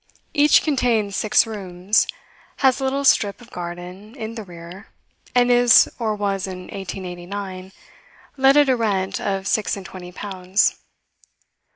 Each contains six rooms, has a little strip of garden in the rear, and is, or was in 1889, let at a rent of six and twenty pounds.